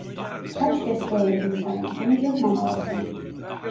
Kaç kez söyledim sana, bunu yapmamalısın.